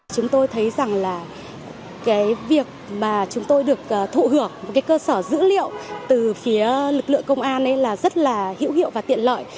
chúng tôi thấy rằng là cái việc mà chúng tôi được thụ hưởng một cái cơ sở dữ liệu từ phía lực lượng công an là rất là hữu hiệu và tiện lợi